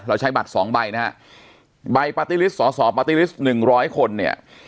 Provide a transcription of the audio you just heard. เราใช้บัตร๒ใบนะฮะใบปาร์ตี้ลิสต์สอสอปาร์ตี้ลิสต์๑๐๐คนเนี่ย